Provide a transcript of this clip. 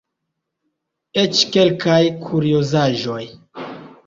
Eĉ kelkaj kuriozaĵoj.